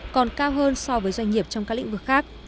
còn cao hơn so với doanh nghiệp trong các lĩnh vực khác